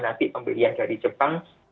nanti pembelian dari jepang